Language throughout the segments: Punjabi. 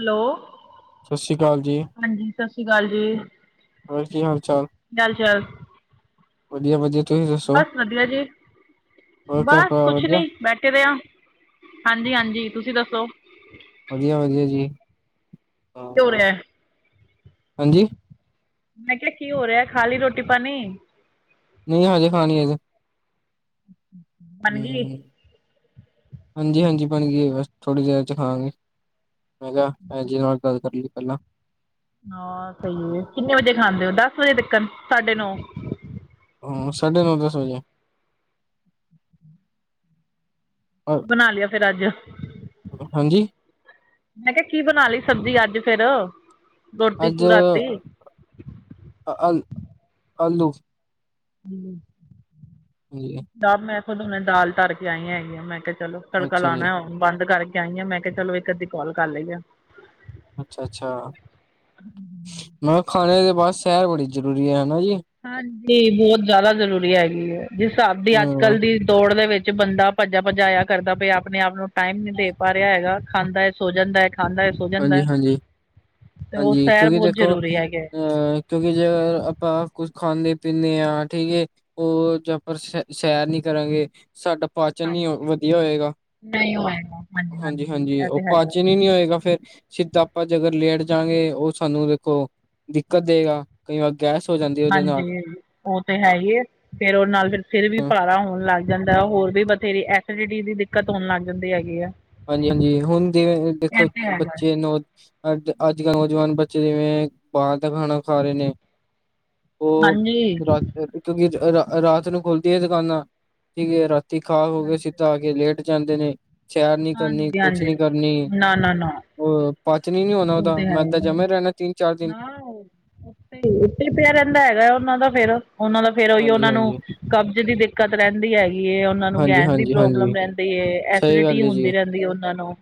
ਹੈਲੋ। ਸਸ਼ੀ ਕਾਲ ਜੀ। ਹਾਂਜੀ ਸਸ੍ਰੀ ਕਾਲ ਜੀ। ਹੋਰ ਕੀ ਹਾਲ ਚਾਲ ਹਾਲ ਚਾਲ ਵਧੀਆ-ਵਧੀਆ ਤੁਸੀਂ ਦੱ ਬਸ ਵਧੀਆ ਜੀ, ਘਰ ਬਸ ਪਰਿਵਾਰ ਕੁਛ ਵਧੀਆ? ਨੀ। ਬੈਠੇ ਦੇ ਆ। ਹਾਂਜੀ ਹਾਂਜੀ ਤੁਸੀਂ ਦੱਸੋ। ਵਧੀਆ-ਵਧੀਆ ਜੀ ਕੀ ਹੋ ਹ ਰਿਹਾ ਹਾਂਜੀ। ਮੈਂ ਕਿਆ ਕੀ ਹੋ ਰੇਆ ਖਾ ਲੀ ਰੋਟੀ ਪਾਣੀ। ਨਈ ਹਜੇ ਖਾਣੀ ਅਜੇ ਬਣ ਗਈ ਹੂੰ। ਹਾਂਜੀ-ਹਾਂਜੀ ਬਣ ਗੀ ਐ ਬਸ ਥੋੜੀ ਦੇਰ ਚ ਖਾਂਵਾਗੇ। ਮੈਂ ਕਿਆ ਭੈਣ ਜੀ ਨਾਲ ਗੱਲ ਕਰ ਲਈਏ ਪੈਲਾਂ। ਹਾਂ ਸਈ ਐ ਕਿੰਨੇ ਵਜੇ ਖਾਂਦੇ ਓ ਦੱਸ ਵਜੇ ਤੀਕਣ ਸਾਡੇ ਨੌ। ਹਾਂ ਸਾਡੇ ਨੌ ਦਸ ਵਜੇ। ਅ- ਬਣਾ ਲਿਆ ਫਿਰ ਅੱਜ ਹਾਂਜੀ। ਮੈਂ ਕਿਆ ਕੀ ਬਨਾ ਲਈ ਸਬਜੀ ਅੱਜ ਫੇਰ। ਅੱਜ ਆ ਆਲੂ। [unintelligible] ਕੀ ਐ ਦਾ ਮੈਂ ਥੁਆਨੂੰ ਮੈਂ ਦਾਲ ਧਰ ਕੇ ਆਈ ਐਂ ਹੈਗੀ ਆਂ। ਮੈਂ ਕਿਆ ਚਲੋ ਤੜਕਾ ਅੱਛਾ ਜੀ, ਲਾਨੈ ਬੰਦ ਕਰਕੇ ਆਈ ਆਂ। ਮੈਂ ਕਿਆ ਚਲੋ ਏੱਕ-ਅੱਧੀ ਕਾਲ ਕਰ ਲੈਨੇਂ ਆਂ। ਅੱਛਾ-ਅੱਛਾ। ਮੈਂ ਹਾ ਖਾਨੇ ਦੇ ਬਾਦ ਸੈਰ ਬੜੀ ਜਰੂਰੀ ਐ, ਹੈਨਾ ਜੀ। ਹਾਂਜੀ ਬੋਤ ਜਿਆਦਾ ਜਰੂਰੀ ਹੈਗੀ ਐ। ਜਿਸ ਹਿਸਾਬ ਦੀ ਅੱਜ ਹਾਂ ਕੱਲ ਦੀ ਦੌੜ ਦੇ ਵਿੱਚ ਬੰਦਾ ਭੱਜਾ ਭਜਾਇਆ ਕਰਦਾ ਪਿਐ, ਆਪਣੇ ਆਪ ਨੂੰ ਟਾਇਮ ਨੀ ਦੇ ਪਾ ਰਿਆ ਹੈਗਾ ਖਾਂਦੈ ਸੋ ਜਾਂਦੈ, ਖਾਂਦੈ ਹਾਂਜੀ-ਹਾਂਜੀ, ਹਾਂਜੀ ਸੈਰ ਕਿਉਂਕਿ ਬਹੁਤ ਦੇਖੋ ਜ਼ਰੂਰੀ ਹੈਗੇ ਅ ਕਿਉਂਕਿ ਜੇ ਆਪਾਂ ਕੁਛ ਖਾਂਨੇਂ ਪੀਂਨੇਂ ਆਂ, ਠੀਕ ਏ ਓ ਜੋ ਆਪਾਂ ਰ ਸੈ ਸੈਰ ਨੀ ਕਰਾਂਗੇ ਸਾਡਾ ਪਾਚਨ ਨੀ ਓ ਹਾਂਜੀ ਵਧੀਆ ਹੋਏਗਾ। ਨਹੀਂ ਹੋਏਗਾ ਹਾਂਜੀ ਹਾਂਜੀ ਹਾਂਜੀ-ਹਾਂਜੀ, ਇਹ ਓ ਤਾਂ ਹੈਗਾ ਪਾਚਨ ਈ ਨੀ ਹੋਏਗਾ। ਫਿਰ ਸਿੱਧਾ ਆਪਾਂ ਜੇ ਅਗਰ ਲੇਟ ਜਾਂਗੇ ਓ ਸਾਨੂੰ ਵੇਖੋ, ਦਿੱਕਤ ਦਏਗਾ। ਕਈ ਵਾਰ ਗੈਸ ਹੋ ਜਾਂ ਹਾਂਜੀ, ਓ ਤੇ ਹੈ ਈ ਏ। ਫੇਰ ਓਰ ਨਾਲ ਫੇਰ ਸਿਰ ਵੀ ਭਾਰਾ ਹੋਨ ਲੱਗ ਜਾਂਦੈ। ਹੋਰ ਵੀ ਬਥੇਰੀ ਐਸੀਡਿਟੀ ਦੀ ਦਿੱਕਤ ਹੋਨ ਲੱਗ ਜਾਂਦੀ ਹੈਗੀ ਐ। ਹਾਂਜੀ-ਹਾਂਜੀ ਹੁਨ ਦੇ ਦੇਖੋ ਹੈਗਾ ਬੱਚੇ ਨੂੰ ਅੱਜ, ਅੱਜ-ਕੱਲ ਨੌਜਵਾਨ ਬੱਚੇ ਜਿਵੇਂ ਬਾਹਰ ਦਾ ਖਾਨਾਂ ਖਾ ਰੇ ਨੇ। ਓ ਹਾਂਜੀ ਰੱ ਅ ਕਿਉਂਕਿ ਅ ਰਾ ਅ ਰਾਤ ਨੂੰ ਖੁਲਦੀ ਐ ਦਕਾਨਾਂ। ਠੀਕ ਏ, ਰਾਤੀ ਖਾ-ਖੂਕੇ ਸਿੱਧਾ ਆ ਕੇ ਲੇਟ ਜਾਂਦੇ ਨੇ, ਸੈਰ ਨੀ ਕਰਨੀ, ਹਾਂਜੀ ਕੁਛ ਹਾਂਜੀ ਨੀ ਕਰਨੀ ਨਾ ਨਾ ਨਾ ਓ ਪਾਚਨ ਈ ਨੀ ਹੋਨਾ ਉਹ ਓਦਾ। ਤਾਂ ਹੈ ਮੈਂਦਾ ਹੀ ਹੈ ਜਮਿਆ ਈ ਰੈਨੈ ਤਿੰਨ-ਚਾਰ ਦਿਨ। ਤੇ ਓ ਓਥੇ ਈ ਪਿਆ ਰੇਂਦੈ ਹੈਗੈ। ਓਨਾਂ ਦਾ ਫੇਰ, ਓਨਾਂ ਦਾ ਫੇਰ ਓਈ ਹਾਂਜੀ ਓਨਾਂ ਨੂੰ ਹਾਂਜੀ ਕਬਜ ਦੀ ਦਿੱ ਕਤ ਰੈਂਦੀ ਹੈਗੀ ਏ। ਓਨਾਂ ਨੂੰ ਹਾਂਜੀ ਗੈਸ ਦੀ ਹਾਂਜੀ ਹਾਂਜੀ ਪ੍ਰੋਬਲਮ ਰੈਂਦੀ ਏ, ਸਹੀ ਐਸੀਡਿ ਟੀ ਗੱਲ ਹੈ ਜੀ ਹੁੰਦੀ ਰੈਂਦੀ ਏ ਓਨਾਂ ਨੂੰ,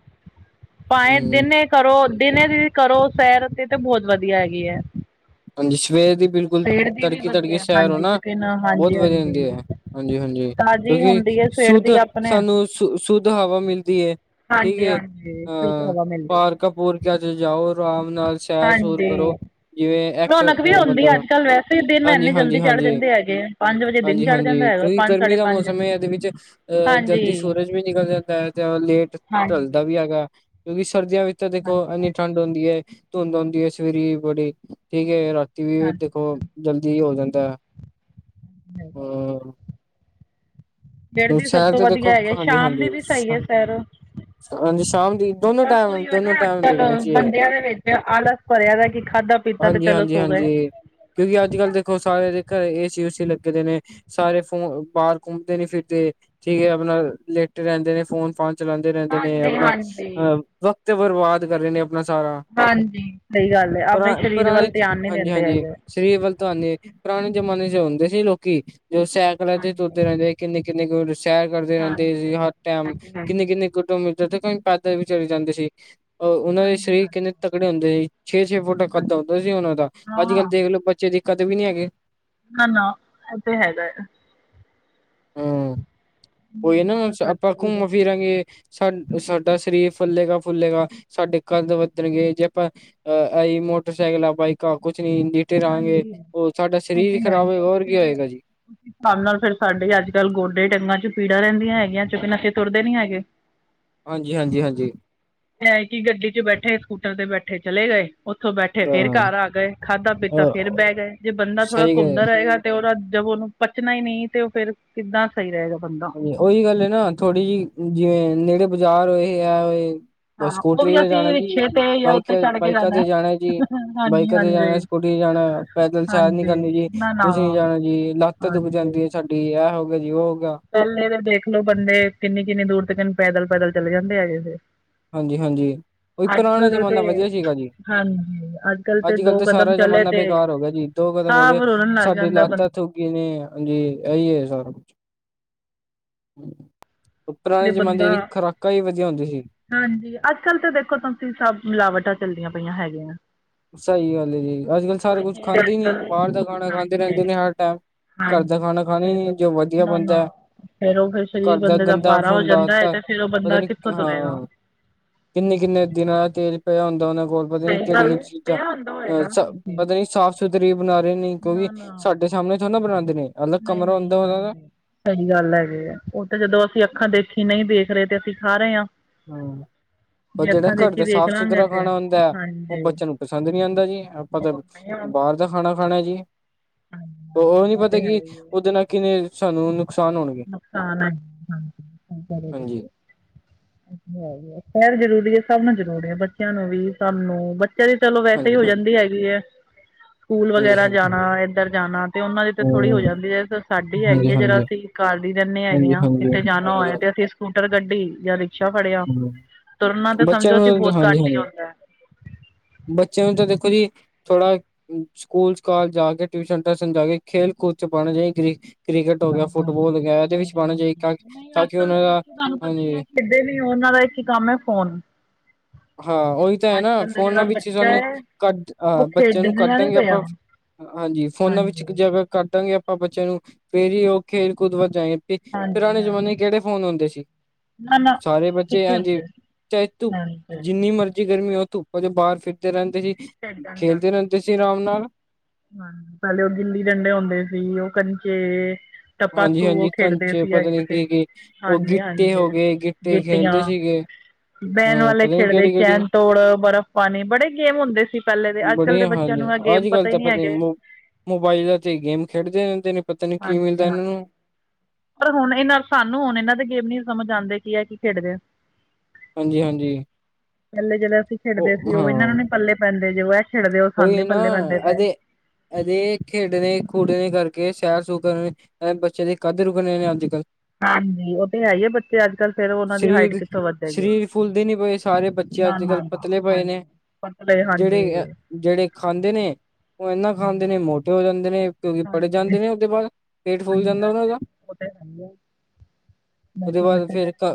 ਭਾਏਂ ਹਮ ਦਿਨੇ ਕਰੋ, ਦਿਨੇ ਵੀ ਕਰੋ ਸੈਰ ਤੇ, ਤੇ ਬੋਹੋਤ ਵਧੀਆ ਹੈਗੀ ਐ। ਹਾਂਜੀ ਸਵੇਰ ਦੀ ਬਿਲ ਕੁਲ ਦੀ ਵੀ ਤੜਕੇ-ਤੜਕੇ ਵਧੀਆ ਸੈਰ ਹੋ ਹਾਂਜੀ ਨਾ ਚਿਕਨ ਬੋਤ ਹਾਂਜੀ ਵਧੀਆ ਹਾਂਜੀ ਰੈਂਦੀ ਐ, ਹਾਂਜੀ-ਹਾਂਜੀ। ਤਾਜ਼ੀ ਕਿਉਂਕਿ ਹੁੰਦੀ ਹੈ ਸਵੇਰ ਸੁੱਧ ਦੀ ਆਪਣੇ ਸਾਨੂੰ ਸੁੱ, ਸੁੱਧ ਹਵਾ ਮਿਲਦੀ ਏ। ਠੀਕ ਹਾਂਜੀ ਏ ਹਾਂਜੀ ਸ਼ੁੱਧ ਆਂ ਹਵਾ ਮਿਲਦੀ ਪਾਰ ਕਪੂਰ ਕਿਆ ਤੇ ਜਾਓ, ਅਰਾਮ ਨਾਲ ਸੈਰ-ਸੂਰ ਕਰੋ ਹਾਂਜੀ ਜਿਵੇਂ ਐਕਸ ਰੌਣਕ ਵੀ ਅ ਹੁੰਦੀ ਮਤਲਬ ਅੱਜ ਕੱਲ੍ਹ ਵੈਸੇ ਦਿਨ ਇੰਨੇ ਜਲਦੀ ਚੜ੍ਹ ਹਾਂਜੀ-ਹਾਂਜੀ-ਹਾਂਜੀ, ਜਾਂਦੇ ਹੈਗੇ ਪੰਜ ਵਜੇ ਦਿਨ ਚੜ੍ਹ ਜਾਂਦਾ ਹਾਂਜੀ-ਹਾਂਜੀ, ਫੇਰ ਹੈਗਾ ਓਈ ਪੰਜ ਗਰਮੀ ਸਾਢੇ ਦਾ ਪੰਜ ਮੌਸਮ ਜਮੇਂ ਐਦੇ ਅੱਜ ਵਿੱਚ ਅ ਹਾਂਜੀ ਜਲਦੀ ਸੋਰੇਜ ਵੀ ਨਿਕਲ ਜਾਂਦੈ ਤੇ ਹੋਨ ਲੇਟ ਢੱਲਦਾ ਹਾਂਜੀ ਵੀ ਹੈਗੈ ਕਿਉਂਕੀ ਸਰਦੀਆਂ ਵਿੱ ਚ ਦੇਖੋ ਹਾਂਜੀ ਐਂਨੀ ਠੰਡ ਹੂੰਦੀ ਏ, ਧੁੰਧ ਆਉਂਦੀ ਏ, ਸਵੇਰੇ ਈ ਬੜੀ। ਠੀਕ ਐ ਰਾ ਤੀ ਵੀ ਹਾਂਜੀ ਦੇਖੋ ਜਲਦੀ ਹੋ ਜਾਂਦਾ ਐ, ਸਵੇਰ ਹਾ। ਫੇਰ ਵੀ ਸਭ ਸ਼ਹਿਰ ਤੋਂ ਤੇ ਦੇਖੋ ਵਧੀਆ ਹੈਗੈ, ਹਾਂਜੀ ਸ਼ਾਮ ਹਾਂਜੀ ਦੀ ਵੀ ਸਈ ਐ ਸੈਰ। ਹਾਂਜੀ ਸ਼ਾਮ ਦੀ ਦੋਨੋ ਬਸ ਟਾਈਮ ਓਈਯੋ ਐ ਦੋਨੋ ਨਾ ਟਾਈਮ ਦੇਖਣੇ ਅੱਜ-ਕੱਲ ਚਾਹੀਏ ਬੰਦਿਆਂ ਦੇ ਵਿੱਚ ਆਲਸ ਭਰਿਆ ਦਾ ਕੀ ਖਾਧਾ, ਪੀਤਾ ਤੇ ਹਾਂਜੀ ਚਲੋ ਹਾਂਜੀ ਸੋ ਗਏ। ਹਾਂਜੀ ਕਿਉਂਕਿ ਅੱਜ-ਕੱਲ ਦੇਖੋ ਸਾਰਿਆਂ ਦੇ ਘਰੇ ਏ ਸੀ-ਉ ਸੀ ਲੱਗੇ ਦੇ ਨੇ। ਸਾਰੇ ਫੋਨ, ਬਾਰ ਘੁੰਮਦੇ ਨੇ ਫੇਰ ਤੇ ਠੀਕ ਐ ਆਪਨਾ ਲੇਟੇ ਰੈਂਦੇ ਨੇ ਫੋਨ ਫਾਨ ਚਲਾਂਦੇ ਰੈਂਦੇ ਨੇ ਆਪਨਾ ਅ ਵਕਤ ਤੇ ਬਰਬਾਦ ਕਰ ਰੇ ਨੇ ਅ ਹੁਣ ਆ ਸਾਰਾ। ਸਹੀ ਗੱਲ ਹੈ ਆਪਣੇ ਸਰੀਰ ਵੱਲ ਪਰਾ-ਪਰਾਂਣੇ, ਧਿਆਨ ਨਹੀਂ ਦਿੰਦੇ ਹਾਂਜੀ-ਹਾਂਜੀ। ਹੈਗੇ ਸਰੀਰ ਵੱਲ ਤੁਵਾਨੇ। ਪੁਰਾਣੇ ਜ਼ਮਾਨੇ 'ਚ ਹੁੰਦੇ ਸੀ ਲੋਕੀਂ। ਜੋ ਸੈਂਂਕਲਾਂ ਤੇ ਤੁਰਦੇ ਰਹਿੰਦੇ ਹੀ। ਕਿੰਨੇ ਕਿੰਨੇ ਕਿਲੋਮੀਟਰ ਸੈਕਲ ਤੇ ਰਹਿੰਦੇ ਸੀ, ਹਰ ਟੈਂਮ। ਕਿੰਨੇ-ਕਿੰਨੇ ਕੁਡੋਮੀਟਰ ਤੇ ਤਾਈਂ ਪੈਦਲ ਵੀ ਚਲੇ ਜਾਂਦੇ ਸੀ। ਅ ਉਹਨਾਂ ਦੇ ਹਾਂਜੀ ਸਰੀਰ ਹਾਂਜੀ ਕਿੰਨੇ ਤਕੜੇ ਹੁੰਦੇ ਹੀ। ਛੇ-ਛੇ ਫੁੱਟ ਕੱਦ ਹੂੰਦਾ ਸੀ ਉਹਨਾਂ ਦਾ। ਅੱਜ-ਕਲ੍ਹ ਦੇਖਲੋ ਬੱਚੇ ਦੇ ਕੱਦ ਵੀ ਨੀ ਹੈਗੇ। ਨਾ-ਨਾ ਇਹ ਤੇ ਹੈਗਾ ਐ। ਹਾਂ, ਕੋਈ ਨਾ, ਆਪਾਂ ਘੁੰਮ ਫਿਰਾਂਗੇ। ਸਾ-ਸਾਡਾ ਸਰੀਰ ਫੁੱਲੇਗਾ-ਫੁੱਲੇਗਾ। ਸਾਡੇ ਕੱਦ ਵੱਧਣਗੇ ਜੇ ਆਪ ਅਹ ਆਈ ਮੋਟਰ ਸਾਈਕਲਾਂ, ਬਾਈਕਾ ਕੁਛ ਨੀ। ਜੇ ਬੈਠੇ ਰਹਾਂਗੇ। ਉਹ ਸਾਡਾ ਸਰੀਰ ਈ ਖ਼ਰਾਬ ਹੋਏਗਾ। ਹੋਰ ਕੀ ਹੋਏਗਾ ਜੀ। ਇਸ ਸਾਬ੍ਹ ਨਾਲ ਫਿਰ, ਸਾਡੇ ਅੱਜ-ਕੱਲ੍ਹ ਗੋਡੇ-ਟੰਗਾਂ 'ਚ ਪੀੜਾ ਰਹਿੰਦੀਆਂ ਹੈਗੀਆਂ। ਚੂਕੋ ਨਾ ਫਿਰ ਤੁਰਦੇ ਨੀ ਹੈਗੇ। ਹਾਂਜੀ-ਹਾਂਜੀ-ਹਾਂਜੀ। ਐ ਕੀ ਗੱਡੀ 'ਚ ਬੈਠੇ, ਸਕੂਟਰ ਤੇ ਬੈਠੇ ਚਲੇ ਗਏ। ਉੱਥੋਂ ਬੈਠੇ ਫੇਰ ਹਾਂ ਘਰ ਆ ਗਏ। ਖਾਧਾ ਪੀਤਾ ਫਿਰ ਬਹਿ ਗਏ। ਜੇ ਬੰਦਾ ਥੋੜ੍ਹਾ ਸਹੀ ਗ ਘੁੰਮਦਾ ਰਹਿ ਰ‌ਏਗਾ ਤੇ ਉਹਦਾ ਜਬ ਉਹਨੂੰ ਪੱਚਣਾ ਈ ਨਹੀਂ ਤੇ ਉਹ ਫੇਰ ਕਿੱਦਾਂ ਸਹੀ ਰਹੇਗਾ ਬੰਦਾ। ਹਾਂਜੀ ਉਹੀ ਗੱਲ ਏ ਨਾ। ਥੋੜੀ ਜਿਹੀ, ਜਿਵੇਂ ਨੇੜੇ ਬਾਜ਼ਾਰ ਹੋਏ, ਐ ਹੋਏ। ਬਸ ਹਾਂ ਉਹ ਸਕੂਟਰੀ ਵੀ ਤੇ ਅਸੀਂ ਜਾਣਾ ਜੀ। ਰਿਕਸ਼ੇ ਤੇ ਜਾਂ ਉੱਤੇ ਚੜ੍ਹ ਕੇ ਬਾਈਕਾ-ਬਾਈਕਾ ਤੇ ਜਾਣਾ ਜੀ। ਹਾਂਜੀ ਬਾਈਕਾ ਤੇ ਹਾਂਜੀ ਜਾਣਾ ਸਕੂਟੀ 'ਚ ਜਾਣਾ। ਪੈਦਲ ਸੈਰ ਨੀ ਹਾਂਜੀ ਕਰਨੀ ਜੀ। ਨਾ ਨਾ ਕੁਛ ਨੀ ਜਾਣਾ ਜੀ। ਲੱਤ ਦੁੱਖ ਹਾਂਜੀ ਜਾਂਦੀ ਐ ਸਾਡੀ। ਆ ਹੋ ਗਿਆ ਜੀ, ਉਹ ਹੋ ਗਿਆ। ਪਹਿਲੇ ਦੇ ਦੇਖਲੋ ਬੰਦੇ, ਕਿੰਨੀ-ਕਿੰਨੀ ਦੂਰ ਤੇਕਨ ਪੈਦਲ-ਪੈਦਲ ਚਲ ਜਾਂਦੇ ਹੈਗੇ ਸੀ। ਹਾਂਜੀ-ਹਾਂਜੀ। ਉਹੀ ਅੱਜ ਪੁਰਾਣਾ ਕੱਲ ਦੇ ਜ਼ਮਾਨਾ ਤੇ ਵਧੀਆ ਸੀਗਾ ਜੀ। ਹਾਂਜੀ ਅੱਜ ਕੱਲ ਅੱਜ-ਕੱਲ੍ਹ ਦੋ ਤੇ ਕਦਮ ਸਾਰਾ ਚਲੇ ਜ਼ਮਾਨਾ ਤੇ ਬੇਕਾਰ ਹੋ ਗਿਆ ਜੀ। ਦੋ ਕਦਮ ਸਾਹ ਹੋਗੇ। ਰੋਲਣ ਲੱਗ ਸਾਡੀ ਜਾਂਦਾ ਬੰਦਾ ਲੱਤ ਦੁਖੀ ਨੀ, ਹਾਂਜੀ। ਇਹੀ ਐ ਸਾਰਾ ਕੁੱਛ। ਉਹ ਤੇ ਪੁਰਾਣੇ ਜ਼ਮਾਨੇ ਬੰਦਾ ਦੀ ਖੁਰਾਕਾਂ ਈ ਵਧੀਆ ਹੁੰਦੀ ਸੀ। ਹਾਂਜੀ। ਅੱਜ-ਕੱਲ੍ਹ ਤਾਂ ਦੇਖੋ ਤੁਸੀਂ, ਸਭ ਮਿਲਾਵਟਾਂ ਚੱਲਦੀਆਂ ਪਈਆਂ ਹੈਗੀਆਂ। ਸਹੀ ਗੱਲ ਏ ਜੀ। ਅੱਜ-ਕੱਲ ਸਾਰੇ ਕੁਛ ਖਾਂਦੇ ਨੀ। ਬਾਹਰ ਦਾ ਖਾਣਾ ਖਾਂਦੇ ਰਹਿੰਦੇ ਨੇ ਹਰ ਟੈਂਮ। ਘਰ ਦਾ ਖਾਣਾ ਖਾਣਾ ਫਿਰ ਨੀ, ਜੋ ਵਧੀਆ ਨਾ ਨਾ ਬਣਦਾ। ਫਿਰ ਉਹ ਫਿਰ ਸਰੀਰ ਘਰ ਦਾ ਬੰਦੇ ਗੰਦਾ ਭਾਰਾ ਹੋ ਹੁੰਦਾ। ਜਾਂਦਾ ਹੈ ਘ ਤੇ ਫਿਰ ਉਹ ਪਤਾ ਬੰਦਾ ਨੀ ਕਿੱਥੋਂ ਤੁਰੇਗਾ ਹਾਂ। ਕਿੰਨੇ-ਕਿੰਨੇ ਦਿਨਾਂ ਦਾ ਤੇਲ ਪਿਆ ਹੁੰਦਾ। ਉਹਨਾਂ ਕੋਲ ਪਤਾ ਨੀ ਕਿਹੜੀ-ਕਿਹੜੀ ਚੀ ਜ਼ਾ ਅ-ਸ ਹਾਂਜੀ ਪਤਾ ਨੀ ਸਾਫ਼-ਸੁਥਰੀ ਬਣਾ ਰਹੇ ਨੇ। ਕਿਉਂਕਿ ਨਾ ਨਾ ਸਾਡੇ ਸਾਹਮਣੇ ਥੋਰੀ ਨਾ ਬਣਾਂਦੇ ਨੇ। ਅਲਗ ਨਹੀਂ ਕਮਰਾ ਨਹੀਂ ਹੁੰਦਾ ਉਨ੍ਹਾਂ ਦਾ। ਹਾਂਜੀ ਸਹੀ ਗੱਲ ਹੈਗੀ ਐਂ। ਓ ਤੇ ਜਦੋਂ ਅਸੀਂ ਅੱਖਾਂ ਦੇਖੀ ਨਹੀਂ ਦੇਖ ਰਹੇ ਤੇ ਅਸੀਂ ਖਾ ਰਹੇ ਆ। ਹਮ, ਪਰ ਜਿਹੜਾ ਘਰ ਦਾ ਦੇਖ ਲਾਂਗੇ ਸਾਫ਼-ਸੁਥਰਾ ਤੇ ਖਾਣਾ ਹੁੰਦੈ ਉਹ ਹਾਂਜੀ ਬੱਚਿਆਂ ਨੂੰ ਪਸੰਦ ਨੀ ਆਂਦਾ ਜੀ। ਆਪਾਂ ਤਾਂ ਬਾਹਰ ਦਾ ਖਾਣਾ ਖਾਣਾ ਜੀ। ਹਾਂਜੀ ਉਹ ਹਾਂਜੀ ਨੀ ਇਹ ਪਤਾ ਤਾਂ ਹੈ ਕਿ, ਹੀ ਹੈ ਉਹਦੇ ਨਾ ਕਿੰਨੇ ਸਾਨੂੰ ਉਹਨੂੰ ਨੁਕਸਾਨ ਐ ਹਾਂਜੀ, ਹਾਂਜੀ। [unintelligible] ਸੈਰ ਜ਼ਰੂਰੀ ਏ। ਸਭ ਨੂੰ ਜ਼ਰੂਰੀ ਐ। ਬੱਚਿਆਂ ਨੂੰ ਵੀ ਸਭ ਨੂੰ ਬੱਚਿਆਂ ਦੀ ਚਲੋ, ਵੈਸੇ ਈ ਹਾਂਜੀ, ਹੋ ਹਾਂਜੀ, ਜਾਂਦੀ ਹੈਗੀ ਐ। ਸਕੂਲ ਹਾਂਜੀ, ਵਗੈਰਾ ਹਾਂਜੀ। ਜਾਣਾ। ਇੱਧਰ ਜਾਣਾ ਤੇ ਉਹਨਾਂ ਦੀ ਤੇ ਥੋੜ੍ਹੀ ਹੋ ਜਾਂਦੀ ਐ। ਫਿਰ ਸਾਡੀ ਹੈਗੀ ਹਾਂਜੀ, ਹਾਂਜੀ, ਆ ਜਿਹੜਾ ਹਾਂਜੀ, ਅਸੀਂ ਘਾਰ ਈ ਰੈਂਨੇ ਹੈਗੇ ਹਾਂਜੀ, ਆ। ਕਿੱਥੇ ਜਾਣਾ ਹਾਂਜੀ, ਹੋਇਆ ਤੇ ਅਸੀਂ ਸਕੂਟਰ, ਗੱਡੀ ਜਾਂ ਰਿਕਸ਼ਾ ਫੜਿਆ। ਹਾਂਜੀ। ਤੁਰਨਾ ਤੇ ਬੱਚਿਆਂ ਸਮਝੋ ਅਸੀ ਨੂੰ ਬਹੁਤ ਹਾਂਜੀ, ਘੱਟ ਈ ਹਾਂਜੀ ਹੁੰਦਾ। ਬੱਚਿਆਂ ਨੂੰ ਤਾਂ ਦੇਖੋ ਜੀ ਥੋੜ੍ਹਾ ਸਕੂਲ-ਸਕਾਲ ਜਾ ਕੇ, ਟਿਊਸ਼ਨ-ਟਾਸ਼ਨ ਜਾ ਕੇ, ਖੇਲ-ਕੂਦ 'ਚ ਪਾਣਾ ਚਾਹੀਦਾ। ਜਿਵੇਂ ਕ੍ਰਿਕਟ ਹੋ ਗਿਆ, ਹਾਂਜੀ ਫੁੱਟਬਾਲ ਹੋ ਗਿਆ, ਇਹਦੇ ਵਿੱਚ ਪਾਣਾ ਜੇ ਹਾਂਜੀ ਤਾਂ ਕਿ ਉਹਨਾਂ ਦਾ, ਹਾਂਜੀ। ਵੱਡੇ ਨੀ ਉਹਨਾਂ ਦਾ ਇੱਕ ਈ ਕੰਮ ਐ ਫ਼ੋਨ। ਹਾਂ ਉਹੀ ਤਾਂ ਹੈ ਨਾ ਦਾ ਫੋਨਾਂ ਜਿਹੜਾ ਵਿੱਚ ਬੱਚਾ ਜਾਣੀ, ਹੈ ਕਦ ਆ ਉਹ ਬੱਚਿਆਂ ਨੂੰ ਖੇਡਣਾ ਨਹੀਂ ਕੱਢਾਂਗੇ ਪਿਆ ਆਪਾਂ ਹਾਂਜੀ ਫੋਨਾਂ ਵਿੱਚ ਹਾਂਜੀ ਜਦ ਕੱਢਾਂਗੇ ਆਪਾਂ ਬੱਚਿਆਂ ਨੂੰ ਫੇਰ ਈ ਉਹ ਖੇਲ ਕੂਦ ਵੱਲ ਜਾ ਤੇ ਹਾਂਜੀ ਪੁਰਾਣੇ ਜਮਾਨੇ ਚ ਹਾਂਜੀ ਕਿਹੜੇ ਫੋਨ ਹੁੰਦੇ ਸੀ। ਨਾ ਨਾ ਸਾਰੇ ਬੱਚੇ ਕਿੱਥੇ ਹਾਂਜੀ, ਹੁੰਦੇ ਚਾਹੇ ਤੂੰ ਹਾਂਜੀ ਖੇਡਣ ਜਿੰਨੀ ਮਰਜ਼ੀ ਗਰਮੀ ਹੋਏ ਧੁੱ ਉਦੋਂ ਬਾਰ ਫਿਰਦੇ ਰਹਿੰਦੇ ਸੀ, ਖੇਲਦੇ ਰਹਿੰਦੇ ਸੀ ਆਰਾਮ ਨਾਲ਼। ਹਾਂਜੀ ਪਹਿਲੇ ਉਹ ਗੂਲੀ ਡੰਡੇ ਹੁੰਦੇ ਸੀ ਉਹ ਘੜਕੇ ਟੱਪਾ ਸੂ ਹਾਂਜੀ ਉਹ ਹਾਂਜੀ ਖੇਡਦੇ ਕੰਚੇ ਸੀ, ਅ ਪਤਾ ਨੀ ਕੀ ਕੀ ਉਹ ਹਾਂਜੀ ਗਿੱਟੇ ਹਾਂਜੀ ਹੋ ਗਏ ਗਿੱਟੇ ਖੇਲਦੇ ਗੀਟੀਆਂ ਸੀਗੇ ਬਹਿਣ ਹਾਂ ਵਾਲੇ ਪਤਾ ਨੀ ਖੇਡਦੇ ਕਿਹੜੀ ਕਿਹੜੀ ਚੈਨ ਤੋੜ ਬਰਫ਼ ਪਾਣੀ ਬੜੇ ਗੇਮ ਹੁੰਦੇ ਸੀ। ਸੀ ਪਹਿਲੇ ਦੇ ਅੱਜ ਕੱਲ੍ਹ ਬੜੀ ਦੇ ਬੱਚਿਆਂ ਨੂੰ ਇਹ ਗੇਮ ਪਤਾ ਈ ਨੀ ਹੈਗੇ। ਮੋਬਾਈਲਾਂ ਤੇ ਗੇਮ ਖੇਡਦੇ ਰਹਿੰਦੇ ਨੇ। ਪਤਾ ਨੀ ਕੀ ਹਾਂਜੀ ਮਿਲਦਾ ਹਾਂ। ਇਹਨਾਂ ਨੂੰ ਪਰ ਹੁਣ ਇਹਨਾਂ ਸਾਨੂੰ ਹੁਣ ਇਹਨਾਂ ਦੇ ਗੇਮ ਨੀ ਸਮਝ ਆਦੇ ਕੀ ਇਹ ਕੀ ਖੇਡਦੇ ਨੇ। ਹਾਂਜੀ ਹਾਂਜੀ। ਪਹਿਲੇ ਜਿਹੜਾ ਅਸੀਂ ਖੇਡਦੇ ਸੀ ਉਹ ਇਹਨਾਂ ਨੂੰ ਨੀ ਪੱਲੇ ਪੈਂਦੇ ਜੇ ਖੇਡਦੇ ਉਹ ਸਾਨੂੰ ਨੀ ਪੱਲੇ ਪੈਂਦੇ ਪਏ। ਅਜੇ ਖੇਡਣੇ ਖੂਡਣੇ ਕਰਕੇ ਸਾਹ ਸੁਕਣ ਅ ਬੱਚਿਆਂ ਦੇ ਕੱਦ ਰੁਕਣੇ ਨੇ ਅੱਜ ਕੱਲ੍ਹ ਹਾਂਜੀ ਉਹ ਤੇ ਹੈ ਈ ਐ ਬੱਚੇ ਅੱਜ ਕਲ੍ਹ ਫਿਰ ਉਹਨਾਂ ਦੀ ਹਾਈਟ ਸਰੀਰ ਕਿੱਥੋਂ ਵੱਧੇਗੀ। ਸਰੀਰ ਫੁੱਲਦੇ ਨੀ ਪਏ ਸਾਰੇ ਬੱਚੇ ਅੱਜ ਕੱਲ੍ਹ ਨਾ-ਨਾ-ਨਾ ਪਤਲੇ ਪਏ ਨੇ ਹਾਂਜੀ ਪਤਲੇ ਹਾਂਜੀ ਜਿਹੜੇ ਜਿਹੜੇ ਖਾਂਦੇ ਨੇ, ਉਹ ਏਨਾ ਖਾਂਦੇ ਨੇ ਮੋਟੇ ਹੋ ਜਾਂਦੇ ਨੇ। ਤੇ ਪੜ ਹਾਂਜੀ ਜਾਂਦੇ ਨੇ ਉਹਦੇ ਬਾਦ, ਪੇਟ ਫੁੱਲ ਹਾਂਜੀ ਜਾਂਦਾ ਉਹਨਾਂ ਹਾਂਜੀ ਦਾ। ਉਹ ਤਾਂ ਹੈ ਹੀ ਆ ਉਹਦੇ ਵੈਸੇ ਬਾਅਦ ਮਤਲਬ ਫਿਰ ਇ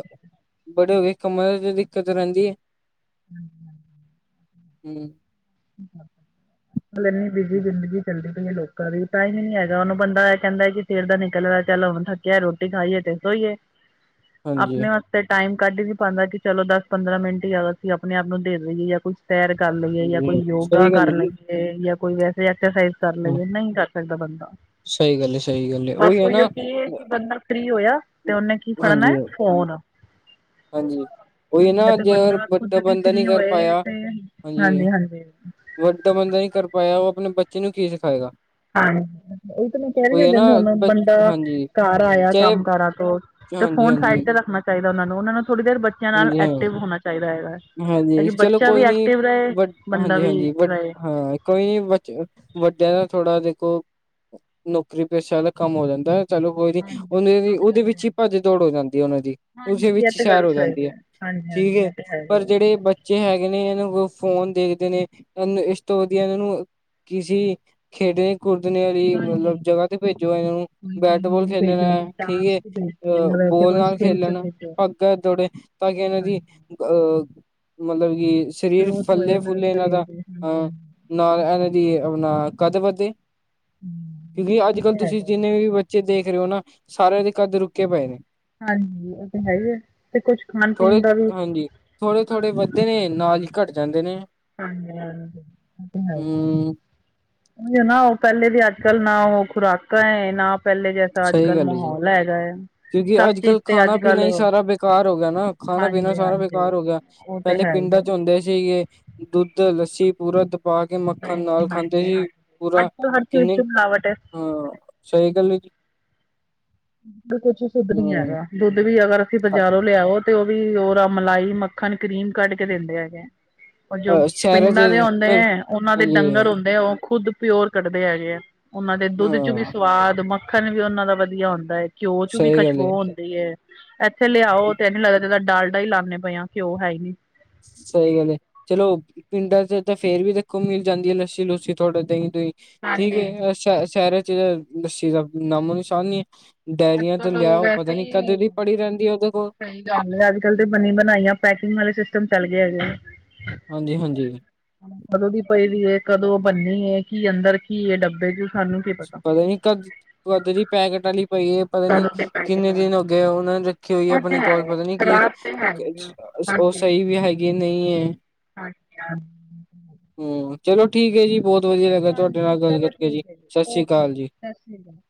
ਬੜੇ ਹੋ ਗਏ ਕੰਮਾਂ ਦਿੱਕਤ ਰਹਿੰਦੀ ਏ, ਹੂੰ। ਇੰਨੀ ਬਿਜ਼ੀ ਜ਼ਿੰਦਗੀ ਚੱਲਦੀ ਪਈ ਏ ਲੋਕ ਕਦੇ ਤਾਂ ਐ ਵੀ ਨੀ ਹੈਗਾ ਉਹਨੂੰ ਬੰਦਾ ਕਹਿੰਦਾ ਕਿ ਸਿਰ ਦਾ ਨਿਕਲ ਰਿਹਾ ਚੱਲ ਹੁਣ ਥੱਕਿਆ ਰੋਟੀ ਖਾਈਏ ਤੇ ਸੋਈਏ। [inaudible] ਹਾਂਜੀ ਆਪਣੇ ਵਾਸਤੇ ਟਾਈਮ ਕੱਢ ਈ ਨ੍ਹੀਂ ਪਾਂਦਾ ਕਿ ਚਲੋ ਦਸ ਪੰਦਰਾਂ ਮਿੰਟ ਈ ਜਾ ਸੀਂ ਆਪਣੇ ਆਪ ਨੂੰ ਦੇ ਦੇਵੇ ਜਾਂ ਕੋਈ ਸੈਰ ਕਰ ਲਵੇ ਜਾਂ ਕੋਈ ਹਾਂਜੀ ਯੋਗਾ ਸਹੀ ਗੱਲ ਕਰ ਹੈ ਜੀ ਲਵੇ ਜਾਂ ਕੋਈ ਵੈਸੇ ਐਕਸਰਸਾਈਜ਼ ਕਰ ਹਾਂ ਲਵੇ ਨਈ ਕਰ ਸਕਦਾ ਬੰਦਾ ਸਹੀ ਗੱਲ ਹੈ ਸਹੀ ਗੱਲ ਹੈ ਬਸ ਉਹੀ ਹੈ ਉਹੀਓ ਨਾ ਕੀ ਹੈ ਕਿ ਬੰਦਾ ਫ੍ਰੀ ਹੋਇਆ ਤੇ ਉਹਨੇ ਕੀ ਫੜਨਾ ਹਾਂਜੀ ਫੋਨ। ਹਾਂਜੀ, ਕੋਈ ਨਾ ਤੇ ਜਦੋ ਖੁਦ ਬੰਦਾ ਵੀ ਬੰਦਾ ਨੀ ਫ੍ਰਰੀ ਕਰ ਹੋਏ ਪਾਇਆ ਤੇ ਹਾਂਜੀ। ਵੱਡਾ ਬੰਦਾ ਨੀ ਕਰ ਪਾਇਆ ਉਹ ਆਪਣੇ ਬੱਚੇ ਨੂੰ ਕੀ ਸਿਖਾਏਗਾ। ਹਾਂ, ਉਹ ਤਾਂ ਮੈਂ ਕਹਿ ਰੀ ਉਹੀ ਆ ਹੈ ਨਾ ਜਦ ਹੁਣ ਬ ਬੰਦਾ ਹਾਂਜੀ ਘਰ ਆਇਆ ਚਾਹੇ ਕੰਮ ਕਾਰਾਂ ਤੋਂ, ਤੇ ਹਾਂਜੀ ਫੋਨ ਹਾਂਜੀ ਸਾਈਡ ਤੇ ਰੱਖਣਾ। ਚਾਹੀਦਾ ਉਹ ਨੂੰ ਉਹਨਾਂ ਨੂੰ ਥੋੜ੍ਹੀ ਦੇਰ ਬੱਚਿਆਂ ਨਾਲ ਹਾਂਜੀ ਐਕਟਿਵ ਹਾਂ ਹੋਣਾ ਚਾਹੀਦਾ ਹੈਗਾ। ਤਾਂ ਹਾਂਜੀ ਕਿ ਚਲੋ ਬੱਚਾ ਵੀ ਕੋਈ ਨੀ, ਐਕਟਿਵ ਰਹੇ ਬਟ ਬੰਦਾ ਹਾਂਜੀ ਵੀ ਹਾਂਜੀ ਬਟ ਰਹੇ ਹਾਂ। ਕੋਈ ਬ ਵੱਡਿਆਂ ਦਾ ਥੋੜਾ ਦੇਖੋ ਨੌਕਰੀ ਪਾਸੇ ਵਾਲਾ ਕੰਮ ਹੋ ਜਾਂਦਾ ਐ। ਚਲੋ ਕੋਈ ਨੀ, ਹਾਂਜੀ ਉਹਦੇ ਦੀ ਸਭ ਉਹਦੇ ਜਾਣਦੇ ਵਿੱਚ ਆ ਈ ਭੱਜ ਦੌੜ ਹੋ ਜਾਂਦੀ ਐ ਉਹਨਾ ਦੀ ਉਸਦੇ ਹਾਂਜੀ ਇਹ ਵਿੱਚ ਹੀ ਤੇ ਸੈਰ ਗੱਲ ਹੋ ਸਹੀ ਜਾਂਦੀ ਐ। ਹੈ ਹਾਂਜੀ ਹਾਂਜੀ, ਹੈਗਾ ਪਰ ਜਿਹੜੇ ਬੱਚੇ ਹੈਗੇ ਨੇ ਇਹਨਾਂ ਨੂੰ ਫੋਨ ਦੇਖਦੇ ਨੇ ਇਸ ਤੋਂ ਵਧੀਆ ਇਹਨਾਂ ਨੂੰ ਕਿਸੀ, ਖੇਡੇ ਕੁਦਣ ਵਾਲੀ ਹਾਂਜੀ ਮਤਲਬ ਜਗ੍ਹਾ ਤੇ ਭੇਜੋ ਇਹ ਨੂੰ ਕੋਈ ਗੇਮ ਬੈਟਬਾਲ ਗੂਮ ਭੇਜੋ ਕੋਈ ਖੇਲਣਾ ਠੀਕ ਏ। ਡਾਂਸ ਚ ਭੇਜੋ ਅਹ ਜਾਂ ਵੈਸੇ ਬੋਲ ਕੋਈ ਨਾਲ ਸਕਿੱਲ ਚ ਖੇਲਣਾ, ਭੇਜੋ ਭੱਜ ਦੋੜੇ ਤਾਂ ਕਿ ਇਹਨਾਂ ਦੀ। ਹਾਂਜੀ ਅ, ਮਤਲਬ ਕਿ ਸਰੀਰ ਗਰੋਥ ਹੋਏ ਫੱਲੇ ਉਹਨਾਂ ਦੇ ਫੁੱਲੇ ਇਹਨਾਂ ਦਾ, ਸਰੀਰ ਦੀ ਹਾਂਜੀ ਅਹ ਹਾਂਜੀ ਨਾਲ ਇਹਨਾਂ ਦੀ ਆਪਣਾ ਕਾਹਦੇ ਵਾਸਤੇ ਵੀ ਹੂੰ, ਇਹ ਅੱਜ-ਕੱਲ੍ਹ ਤੇ ਤੁਸੀਂ ਹੈਗਾ ਹੈ। ਜਿੰਨੇ ਵੀ ਬੱਚੋ ਦੇਖ ਰਹੇ ਹੋ ਨਾ ਸਾਰਿਆਂ ਦੇ ਕੱਦ ਰੁਕੇ ਪਏ ਨੇ। ਹਾਂਜੀ ਉਹ ਤਾਂ ਹੈ ਹੀ ਹੈ ਤੇ ਕੁਛ ਖਾਣ-ਪੀਣ ਦਾ ਵੀ ਥੋੜੇ-ਥੋੜੇ ਵੱਧਦੇ ਨੇ ਨਾਲ ਹੀ ਘੱਟ ਜਾਂਦੇ ਨੇ। ਹਾਂਜੀ-ਹਾਂਜੀ ਉਤੇ ਹੈਈ ਏ। ਹੂੰ, ਨਾ ਉਹ ਪਹਿਲੇ ਦੀ ਅੱਜ-ਕੱਲ ਨਾ ਉਹ ਖੁਰਾਕਾਂ ਨਾ ਪਹਿਲੇ ਜਾ ਸਹੀ ਅੱਜ-ਕੱਲ੍ਹ ਗੱਲ ਹੈ ਜੀ। ਮਾਹੌਲ ਹੈਗਾ ਹੈ। ਕਿਉਂਕਿ ਸਭ ਚੀਜ਼ ਅੱਜ-ਕੱਲ੍ਹ ਤੇ ਖਾਣਾ ਪੀਣਾ ਹੀ ਅੱਜ-ਕੱਲ੍ਹ ਸਾਰਾ ਬੇਕਾਰ ਹੋ ਗਿਆ ਨਾ ਖਾਣਾ-ਪੀਣਾ ਹਾਂਜੀ, ਸਾਰਾ ਹਾਂਜੀ। ਬੇਕਾਰ ਹੋ ਗਿਆ। ਉਹ ਤੇ ਪਹਿਲੇ ਹੈ ਹੀ ਪਿੰਡਾਂ ਹੈ। ਚ ਹੁੰਦੇ ਸੀਗੇ ਦੁੱਧ ਲੱਸੀ ਪੂਰਾ ਪਾ ਕੇ ਮੱਖਣ ਨਾਲ ਖਾਂਦੇ ਸੀ ਪੂਰਾ ਅੱਜ-ਕੱਲ੍ਹ ਹਰ ਚੀਜ਼ 'ਚ ਕਿੰਨੇ ਮਿਲਾਵਟ ਹੈ। ਹਾਂ ਸਹੀ ਗੱਲ ਜੀ। ਤੋਂ ਕੁਛ ਸੁੁੱਧ ਨੀ ਹੂੰ, ਹੈਗਾ ਦੁੱਧ ਵੀ ਅਗਰ ਅਸੀਂ ਬਾਜ਼ਾਰੋਂ ਲਿਆਓ ਤੇ ਉਹ ਵੀ ਉਹਰਾ ਮਲਾਈ ਮੱਖਣ ਕਰੀਮ ਕੱਢ ਕੇ ਦਿੰਦੇ ਹੈਗੇ। ਉਹ ਜੋ ਸ਼ਹਿਰਾਂ 'ਚ ਪਿੰਡਾਂ ਦੇ ਆਉਂਦੇ ਹੈ ਉਹਨਾਂ ਦੇ ਹਾਂਜੀ ਡੰਗਰ ਹੁੰਦੇ ਆ ਉਹ ਖੁਦ ਪਿਓਰ ਕੱਢਦੇ ਹੈਗੇ ਆ ਉਹਨਾਂ ਦੇ ਦੁੱਧ ਚ ਵੀ ਹਾਂ, ਸਵਾਦ ਮੱਖਣ ਵੀ ਉਹਨਾਂ ਦਾ ਵਧੀਆ ਹੁੰਦਾ ਹੈ। ਘਿਓ ਚ ਵੀ ਸਹੀ ਗੱਲ ਖੁਸ਼ਬੂ ਏ। ਹੁੰਦੀ ਹੈ ਇੱਥੇ ਲਿਆਓ ਤੇ ਐਜ ਲੱਗਦਾ ਇਕੱਲਾ ਡਾਲਡਾ ਹੀ ਲਾਦੇ ਪਏ ਆ ਘਿਓ ਹੈ ਨਹੀ। ਸਹੀ ਗੱਲ ਐ ਚਲੋ ਪਿੰਡਾਂ ਚ ਤਾਂ ਫੇਰ ਵੀ ਦੇਖੋ ਮਿਲ ਜਾਂਦੀ ਹੈ ਲੱਸੀ- ਲੁਸੀ ਥੋਡਾ ਦਹੀਂ-ਦੂਹੀ। ਠੀਕ ਐ ਸ਼ ਸ਼ਹਿਰਾਂ ਲੱਸੀ ਦਾ ਨਾਮੋ ਨਿਸ਼ਾਨ ਨੀ ਹੈ। ਡਾਇਰੀਆਂ ਤੋਂ ਲਿਆਓ ਪਤਾ ਨੀ ਕਦੇਦੀ ਪੜੀ ਰਹਿੰਦੀ ਹੈ ਉਹਦੇ ਕੋਲ। [inaudible] ਅੱਜ-ਕੱਲ ਤੇ ਬਣੀ ਬਣਾਈਆਂ ਪੈਕਿੰਗ ਵਾਲੇ ਸਿਸਟਮ ਚੱਲ ਗਏ ਹੈਗੇ। ਹਾਂਜੀ-ਹਾਂਜੀ ਕਦੋਂ ਦੀ ਪਈ ਦੀ ਕਦੋਂ ਬਣੀ ਕੀ ਅੰਦਰ ਕੀ ਹੈ ਡੱਬੇ ਦੇ ਪਤਾ ਨੀ ਕਦ ਕਦ ਦੀ ਪੈਕਟ ਆਲੀ ਪਈਏ ਪਤਾ ਨੀ ਕਿੰਨੇ ਦਿਨਾ ਦਾ ਉਹਨਾਂ ਨੇ ਰੱਖੀ ਹੋਈ ਹੈ ਆਪਣੇ ਕੋਲ ਪਤਾ ਨੀ ਕਿ ਔ ਸਹੀ ਵੀ ਹੈਗੀ ਐ ਨਹੀਂ ਐ। ਅੱਛਾ ਹੂੰ ਚਲੋ ਠੀਕ ਹੈ ਜੀ ਬਹੁਤ ਵਧੀਆ ਲੱਗਾ ਤੁਹਾਡੇ ਨਾਲ ਗੱਲ ਕਰਕੇ ਜੀ। ਸਤਿ ਓ ਸ੍ਰੀ ਕੇ ਅਕਾਲ ਜੀ ਸਤਿ ਸ੍ਰੀ ਅਕਾਲ।